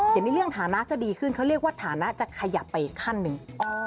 เดี๋ยวนี้เรื่องฐานะก็ดีขึ้นเขาเรียกว่าฐานะจะขยับไปอีกขั้นหนึ่ง